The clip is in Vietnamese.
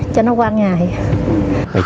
cho nó qua ngày